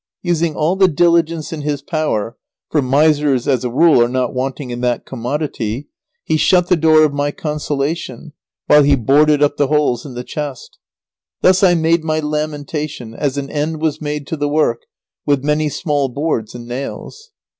Using all the diligence in his power, for misers as a rule are not wanting in that commodity, he shut the door of my consolation while he boarded up the holes in the chest. Thus I made my lamentation, as an end was made to the work, with many small boards and nails.